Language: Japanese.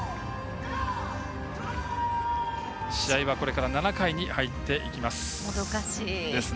試合はこれから７回に入っていきます。